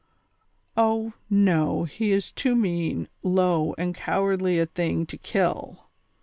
"Oh ! no, he is too mean, low and cowardly a thing to kill.